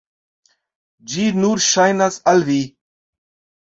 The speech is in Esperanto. Ĝi nur ŝajnas al vi!